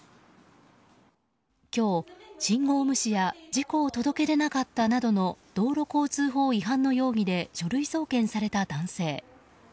今日、信号無視や事故を届け出なかったなどの道路交通法違反の容疑で書類送検された男性。